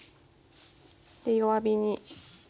で弱火に。